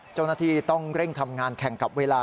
เจ้าหน้าที่ต้องเร่งทำงานแข่งกับเวลา